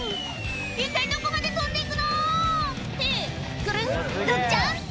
一体どこまで飛んでいくの⁉ってくるんとジャンプ！